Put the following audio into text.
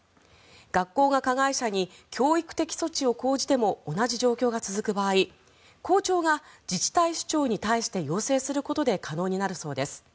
学校が加害者に教育的措置を講じても同じ状況が続く場合校長が自治体首長に対して要請することで可能になるそうです。